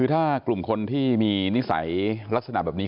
ถ้ากลุ่มคนที่มีนิสัยลักษณะแบบนี้